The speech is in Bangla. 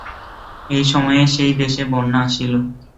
এই সময়ে সেই দেশে বন্যা আসিল।